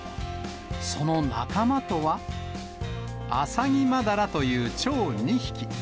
その仲間とは、アサギマダラというちょう２匹。